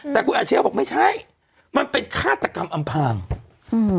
แต่คุณอาเชียบอกไม่ใช่มันเป็นฆาตกรรมอำพางอืม